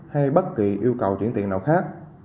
hay bất kỳ yêu cầu chuyển tiền nào khác